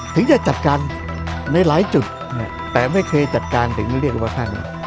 ที่จะจัดการในหลายจุดแต่ไม่เคยจัดการถึงที่เรียกว่าข้างหนึ่ง